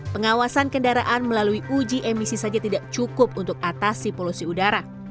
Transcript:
pengawasan kendaraan melalui uji emisi saja tidak cukup untuk atasi polusi udara